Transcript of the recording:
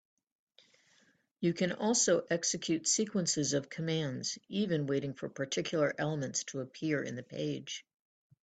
You can also execute sequences of commands, even waiting for particular elements to appear in the page.